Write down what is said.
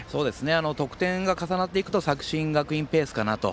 得点が重なっていくと作新学院ペースかなと。